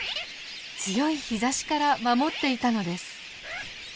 強い日ざしから守っていたのです。